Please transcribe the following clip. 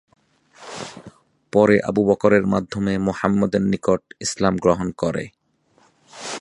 পরে আবু বকরের মাধ্যমে মুহাম্মাদের নিকট ইসলাম গ্রহণ করে।